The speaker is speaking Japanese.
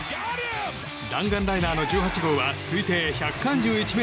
弾丸ライナーの１８号は推定１３１ｍ。